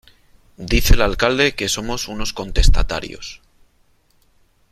Dice el alcalde que somos unos contestatarios.